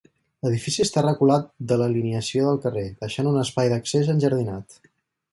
L'edifici està reculat de l'alineació del carrer deixant un espai d'accés enjardinat.